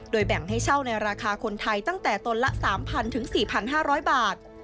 แบ่งให้เช่าในราคาคนไทยตั้งแต่ตนละ๓๐๐๔๕๐๐บาท